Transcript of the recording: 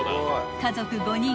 ［家族５人